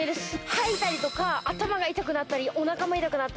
吐いたりとか頭が痛くなったりおなかも痛くなったり。